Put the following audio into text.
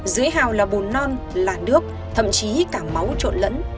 dưới hào là bồn non là nước thậm chí cả máu trộn lẫn